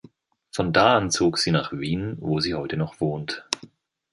Von da an zog sie nach Wien, wo sie heute noch wohnt.